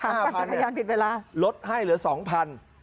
ห้าพันเหรอครับรถให้เหลือสองพันธุ์